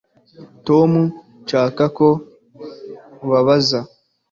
tom ntashaka ko ubabaza